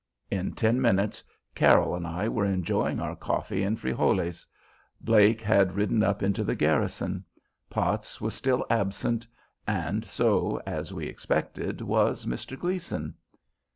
In ten minutes Carroll and I were enjoying our coffee and frijoles; Blake had ridden up into the garrison. Potts was still absent; and so, as we expected, was Mr. Gleason.